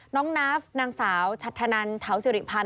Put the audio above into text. น้องนาฟนางสาวชัดธนันเถาสิริพันธ